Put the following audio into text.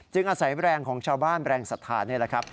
อาศัยแรงของชาวบ้านแรงศรัทธานี่แหละครับ